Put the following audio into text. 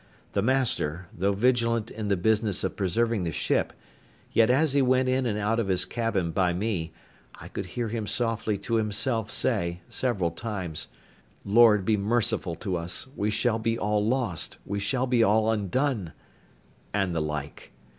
The master, though vigilant in the business of preserving the ship, yet as he went in and out of his cabin by me, I could hear him softly to himself say, several times, "Lord be merciful to us! we shall be all lost! we shall be all undone!" and the like.